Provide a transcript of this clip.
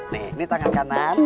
nih ini tangan kanan